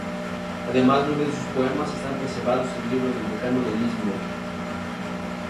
Además, nueve de sus poemas están preservados en el Libro del Decano de Lismore.